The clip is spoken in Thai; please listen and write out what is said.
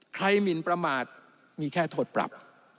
หมินประมาทมีแค่โทษปรับ